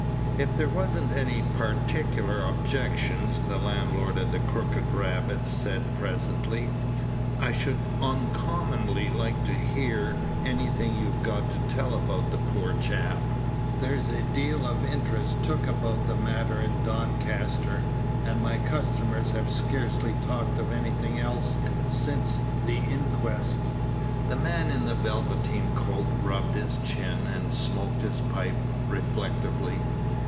"If there was n't any partiklar objections," the landlord of the "Crooked Rabbit" said, presently, "I should oncommonly like to hear anything you've got to tell about the poor chap. There's a deal of interest took about the matter in Doncaster, and my customers have scarcely talked of anything else since the inquest." The man in the velveteen coat rubbed his chin, and smoked his pipe reflectively.